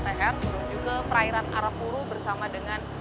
dan juga perairan arafura bersama dengan